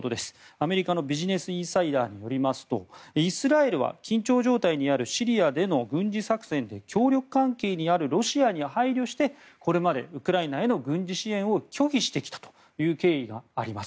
アメリカのビジネス・インサイダーによりますとイスラエルは緊張状態にあるシリアでの軍事作戦で協力関係にあるロシアに配慮して、これまでウクライナへの軍事支援を拒否してきたという経緯があります。